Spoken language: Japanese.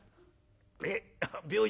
「えっ病院？